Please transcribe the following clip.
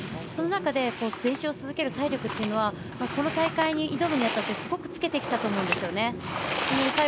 その中で練習を続ける体力っていうのはこの大会に挑むにあたってすごくつけてきたと思うんです。